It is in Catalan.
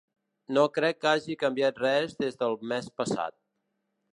No crec que hagi canviat res des del mes passat.